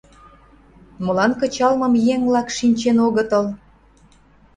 Молан кычалмым еҥ-влак шинчен огытыл.